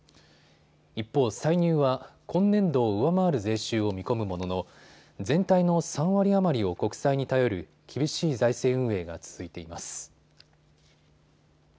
一方、歳入は今年度を上回る税収を見込むものの全体の３割余りを国債に頼る厳しい財政運営が続いています。